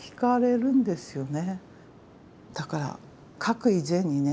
だから書く以前にね